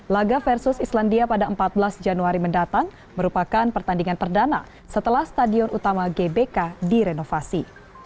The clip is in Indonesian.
laga versus islandia pada empat belas januari mendatang merupakan pertandingan perdana setelah stadion utama gbk direnovasi